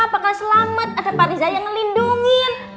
bakal selamat ada pak rija yang ngelindungin